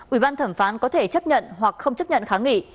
ủy ban thẩm phán có thể chấp nhận hoặc không chấp nhận kháng nghị